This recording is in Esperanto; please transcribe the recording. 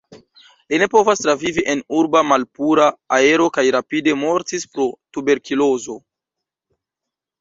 Li ne povas travivi en urba malpura aero kaj rapide mortis pro tuberkulozo.